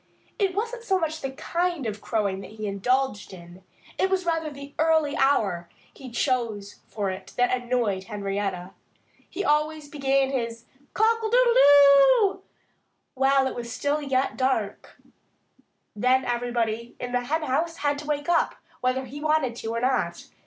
It wasn't so much the kind of crowing that he indulged in; it was rather the early hour he chose for it that annoyed Henrietta. He always began his Cockle doodle doo while it was yet dark. Then everybody in the henhouse had to wake up, whether he wanted to or not.